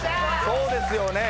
そうですよね。